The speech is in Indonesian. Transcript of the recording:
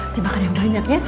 coba makan yang banyak ya